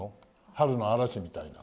「春の嵐」みたいな。